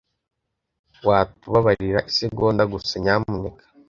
Watubabarira isegonda gusa, nyamuneka?